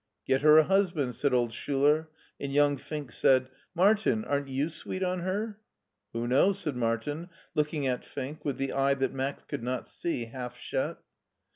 " Get her a husband," said old Schuler, and young Fink said : Martin, aren't you sweet on her?" Who knows ?" said Martin, looking at Fink, with the eye that Max could not see half shut.